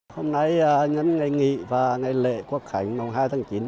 hôm nay là những ngày nghỉ và ngày lễ quốc khánh năm hai tháng chín